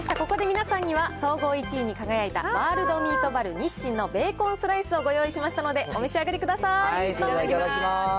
ここで皆さんには、総合１位に輝いた、ワールドミートバルニッシンのベーコンスライスをご用意しましたので、お召し上がりください。